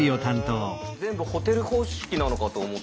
全部ホテル方式なのかと思ってましたけど。